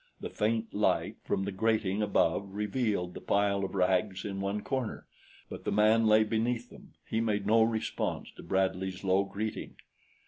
The faint light from the grating above revealed the pile of rags in one corner; but the man lay beneath them, he made no response to Bradley's low greeting.